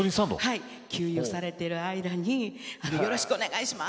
給油をされている間によろしくお願いします